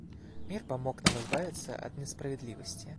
Мир помог нам избавиться от несправедливости.